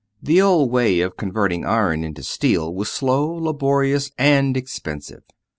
The old way of converting iron into steel was slow, laborious, and expensive.